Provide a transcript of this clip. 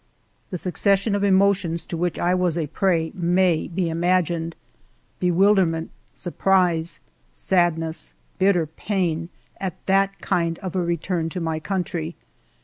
The succession of emotions to which I was a prey may be imagined, — bewilderment, surprise, sadness, bitter pain, at that kind of a return to my country.